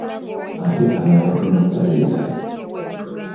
Ate abalala batunda musalesale.